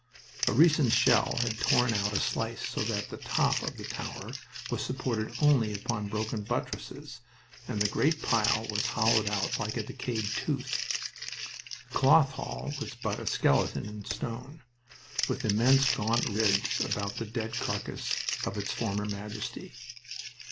A recent shell had torn out a slice so that the top of the tower was supported only upon broken buttresses, and the great pile was hollowed out like a decayed tooth. The Cloth Hall was but a skeleton in stone, with immense gaunt ribs about the dead carcass of its former majesty.